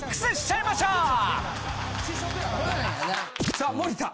さあ森田。